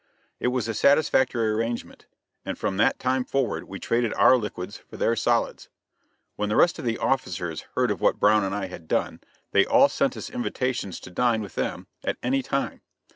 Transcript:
It was a satisfactory arrangement, and from that time forward we traded our liquids for their solids. When the rest of the officers heard of what Brown and I had done, they all sent us invitations to dine with them at any time.